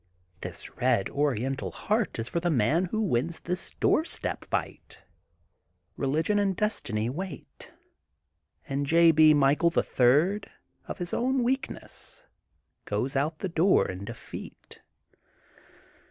This red oriental heart is for the man who wins this doorstep fight. Religion and destiny wait. And J. B. Michael, the Third, of his own weakness goes out the door in defeat.